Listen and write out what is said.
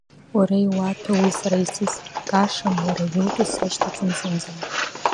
Уара иуаҭәоу уи сара исызгашам, уара иутәу сашьҭаӡам зынӡа.